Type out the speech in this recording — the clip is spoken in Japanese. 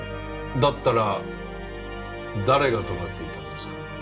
だったら誰が怒鳴っていたんですか？